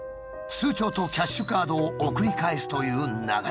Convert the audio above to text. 通帳とキャッシュカードを送り返すという流れだ。